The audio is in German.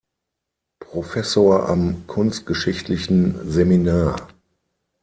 Professor am Kunstgeschichtlichen Seminar.